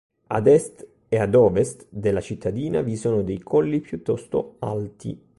Ad est e ad ovest della cittadina vi sono dei colli piuttosto alti.